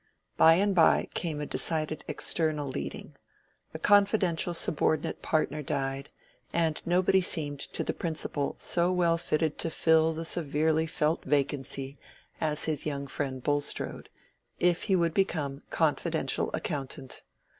By and by came a decided external leading: a confidential subordinate partner died, and nobody seemed to the principal so well fitted to fill the severely felt vacancy as his young friend Bulstrode, if he would become confidential accountant.